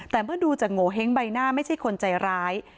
แต่เมื่อดูจากโงเห้งใบหน้าไม่ใช่คนใจร้าย